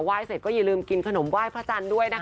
เสร็จก็อย่าลืมกินขนมไหว้พระจันทร์ด้วยนะคะ